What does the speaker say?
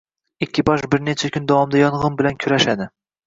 Ekipaj bir necha kun davomida yongʻin bilan kurashadi.